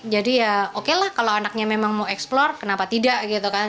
jadi ya okelah kalau anaknya memang mau eksplor kenapa tidak gitu kan